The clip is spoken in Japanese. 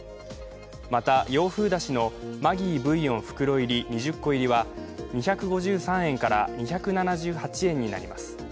また洋風だしのマギーブイヨン袋入り２０個入りは２５３円から２７８円になります。